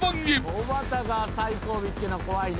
おばたが最後尾っていうのは怖いね。